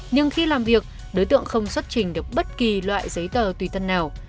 nhưng khi làm việc đối tượng không xuất trình được bất kỳ loại giấy tờ tùy thân nào